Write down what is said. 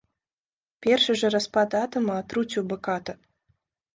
Першы жа распад атама атруціў бы ката.